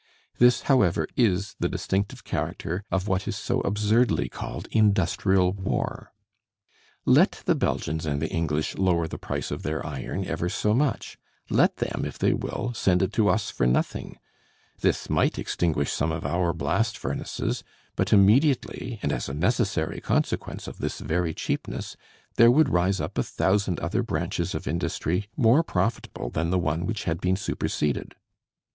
This, however, is the distinctive character of what is so absurdly called industrial war. Let the Belgians and the English lower the price of their iron ever so much; let them, if they will, send it to us for nothing: this might extinguish some of our blast furnaces; but immediately, and as a necessary consequence of this very cheapness, there would rise up a thousand other branches of industry more profitable than the one which had been superseded.